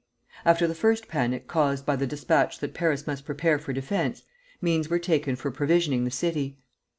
After the first panic caused by the despatch that Paris must prepare for defence, means were taken for provisioning the city.